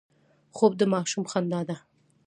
خوب د ماشوم خندا ده